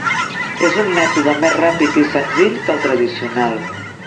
És un mètode més ràpid i senzill que el tradicional.